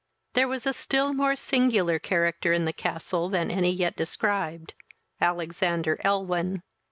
There was a still more singular character in the castle than any yet described, Alexander Elwyn.